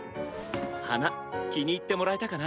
花気に入ってもらえたかな？